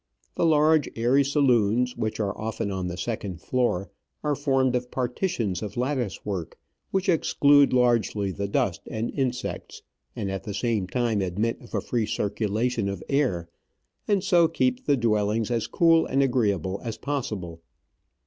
The large, airy saloons, which are often on the second floor, are formed of partitions of lattice work, which exclude largely the dust and insects, and at the same time admit of a free circulation of air, and so keep the dwellings as cool and agreeable as possible.